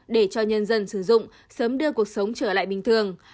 để cho nhân dân sử dụng sớm đưa cuộc sống trở lại bình thường